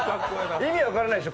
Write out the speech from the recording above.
意味分からないでしょ。